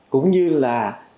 cũng như là